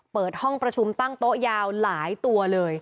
เปิดห้องประชุมตั้งโต๊ะยาวหลายตัวเลย